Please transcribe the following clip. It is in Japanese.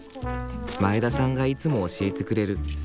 前田さんがいつも教えてくれる。